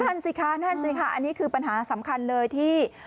นั่นสิคะนั่นสิค่ะอันนี้คือปัญหาสำคัญเลยที่